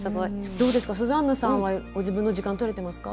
どうですかスザンヌさんはご自分の時間とれてますか？